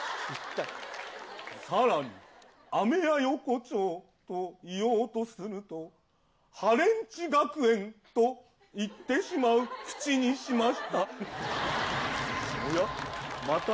さらに、アメヤ横丁と言おうとすると、ハレンチ学園と言ってしまう口にしました。